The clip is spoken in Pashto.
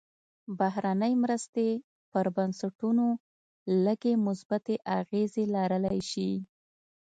بهرنۍ مرستې پر بنسټونو لږې مثبتې اغېزې لرلی شي.